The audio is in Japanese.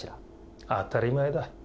当たり前だ。